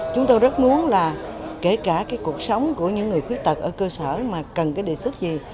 chúng tôi rất muốn là kể cả cái cuộc sống của những người khuyết tật ở cơ sở mà cần cái đề xuất gì